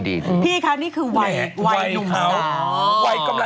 นี่ค่ะนี่คือวัยหนุ่มครับอ๋อ